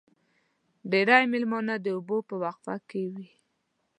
ډېری مېلمانه د اوبو په وقفه کې وي.